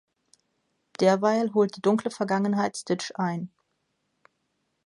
Derweil holt die dunkle Vergangenheit Stitch ein.